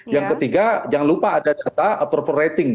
yang ketiga jangan lupa ada data appropriating